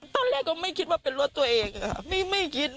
ตอนแรกก็ไม่คิดว่าเป็นรถตัวเอง